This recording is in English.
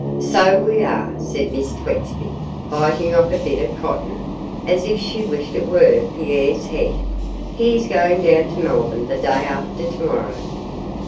'So we are,' said Miss Twexby, biting off a bit of cotton, as if she wished it were Pierre's head; 'he is going down to Melbourne the day after to morrow.